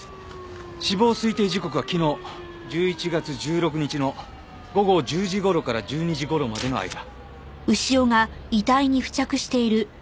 死亡推定時刻は昨日１１月１６日の午後１０時頃から１２時頃までの間。